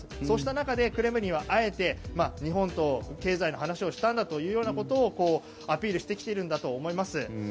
そうした中でクレムリンはあえて日本と経済の話をしたんだということをアピールしてきているんだと思います。